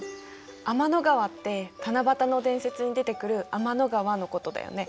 天の川って七夕の伝説に出てくる天の川のことだよね。